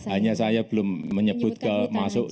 hanya saya belum menyebut ke masuk